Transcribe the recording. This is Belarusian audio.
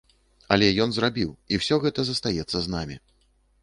Але ён зрабіў, і ўсё гэта застаецца з намі.